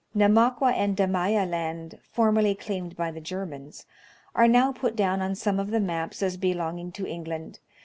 Namaqua and Damai'a Land, formerly claimed by the Ger mans, are now put down on some of the maps as belonging to England.